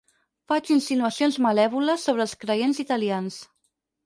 Faig insinuacions malèvoles sobre els creients italians.